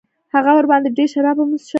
هغه ورباندې ډېر شراب هم وڅښل.